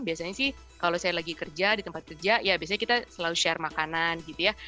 biasanya sih kalau saya lagi kerja di tempat kerja ya biasanya kita selalu share makanan gitu ya